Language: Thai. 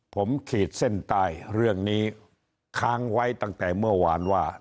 ผมขีดเส้นใต้เรื่องนี้ค้างไว้ตั้งแต่เมื่อวานว่า